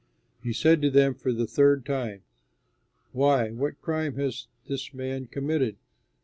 He said to them for the third time, "Why, what crime has this man committed?